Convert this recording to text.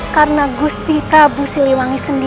karena gusti prabu siliwangi sendiri